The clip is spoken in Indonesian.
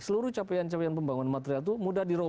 seluruh capaian capaian pembangunan material itu mudah dirogoh